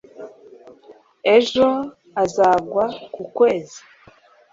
Ejo azagwa ku kwezi